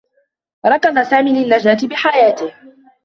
ركض سامي للنّجاة بحياته.